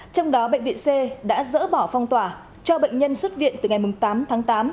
trong đó bệnh viện c đã dỡ bỏ phong tỏa cho bệnh nhân xuất viện từ ngày tám tháng tám